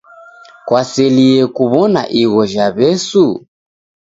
Kwaselie kuw'ona igho ja W'esu?